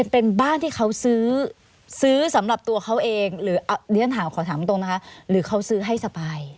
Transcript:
เป็นบ้านที่เขาซื้อซื้อสำหรับตัวเขาเองหรือเรียนถามขอถามตรงนะคะหรือเขาซื้อให้สปาย